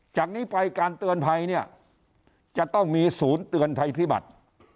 จากนี้ไปการเตือนภัยเนี่ยจะต้องมีศูนย์เตือนภัยพิบัติ